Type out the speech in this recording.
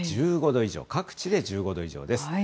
１５度以上、各地で１５度以上です。